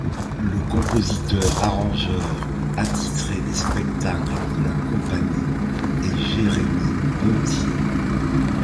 Le compositeur arrangeur attitré des spectacles de la Compagnie est Jérémie Pontier.